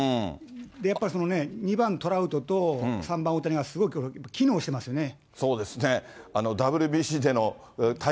やっぱり２番トラウトと、３番大谷がすごい機能してますよね。